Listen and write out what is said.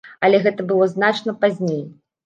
Але гэта было значна пазней.